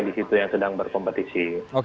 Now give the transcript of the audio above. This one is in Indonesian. di situ yang sedang berkompetisi